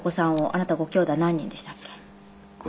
あなたごきょうだい何人でしたっけ？